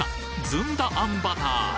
ずんだあんバター！